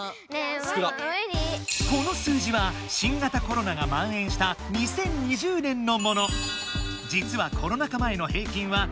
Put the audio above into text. この数字は新型コロナがまんえんした２０２０年のもの。